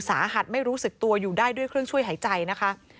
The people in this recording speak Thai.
สาหัสไม่รู้สึกตัวอยู่ได้ด้วยเครื่องช่วยหายใจนะคะ